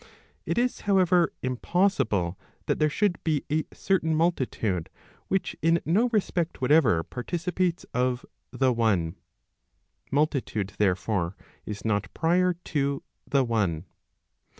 It is, however, im¬ possible that there should be a certain multitude, which in no respect whatever participates of the one. Multitude, therefore, is not prior to the one.